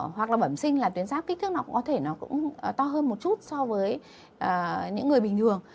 hoặc là bẩm sinh là tuyến giáp kích thước nó cũng có thể nó cũng to hơn một chút so với những người bình thường